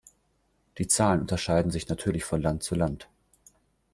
Die Zahlen unterscheiden sich natürlich von Land zu Land.